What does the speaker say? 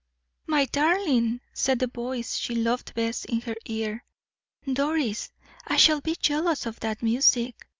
"My darling!" said the voice she loved best in her ear. "Doris, I shall be jealous of that music.